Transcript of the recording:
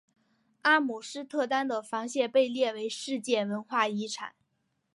阿姆斯特丹的防线被列为世界文化遗产。